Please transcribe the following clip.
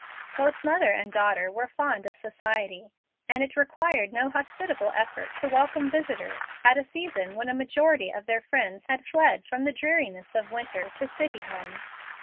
Both mother and daughter were fond of society, and it required no hospitable effort to welcome visitors at a season when a majority of their friends had fled from the dreariness of winter to city homes.